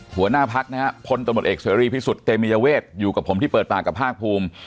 หัวหน้าพักนะครับคนต่อหมดเอกเสรีพิสุทธิ์เจมยเวทอยู่กับผมที่เปิดปากกับภาคคุม